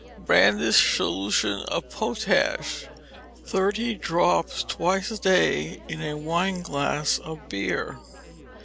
Brandish's solution of potash; thirty drops twice a day in a wineglass of beer.